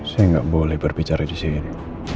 saya nggak boleh berbicara di sini